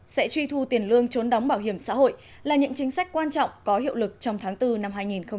sẽ truy thu tiền lương trốn đóng bảo hiểm xã hội là những chính sách quan trọng có hiệu lực trong tháng bốn năm hai nghìn hai mươi